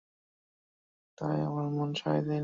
তাই আমার মন সায় দেয়নি।